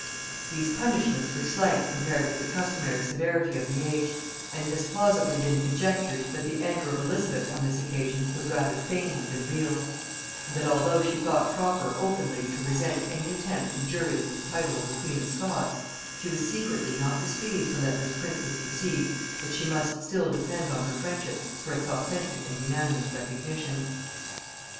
These punishments were slight compared with the customary severity of the age; and it has plausibly been conjectured that the anger of Elizabeth on this occasion was rather feigned than real, and that although she thought proper openly to resent any attempt injurious to the title of the queen of Scots, she was secretly not displeased to let this princess perceive that she must still depend on her friendship for its authentic and unanimous recognition.